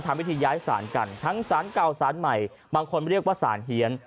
วิธีย้ายสารกันทั้งสารเก่าสารใหม่บางคนเรียกว่าสารเฮียน